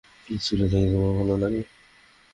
ইস্কুলে থাকিতে তোমার ভালো লাগে?